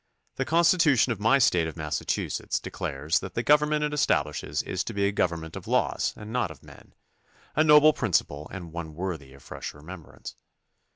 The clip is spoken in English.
The constitution of my State of Massachusetts declares that the government it estab lishes is to be a government of laws and not of men; a noble principle and one worthy of fresh remembrance.